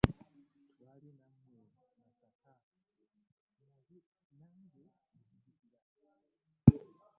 Twali wammwe Masaka nange nzijukira.